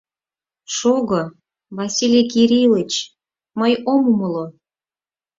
— Шого, Василий Кирилыч, мый ом умыло.